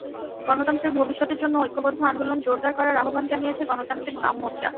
গণতন্ত্রের ভবিষ্যতের জন্য ঐক্যবদ্ধ আন্দোলন জোরদার করার আহ্বান জানিয়েছে গণতান্ত্রিক বাম মোর্চা।